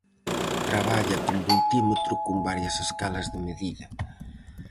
Traballa cun voltímetro con varias escalas de medida.